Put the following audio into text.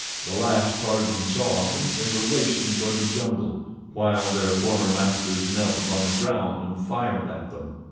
The last Tarzan saw of them they were racing toward the jungle, while their former masters knelt upon the ground and fired at them.